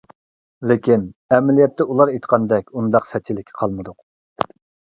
لېكىن ئەمەلىيەتتە ئۇلار ئېيتقاندەك ئۇنداق سەتچىلىككە قالمىدۇق.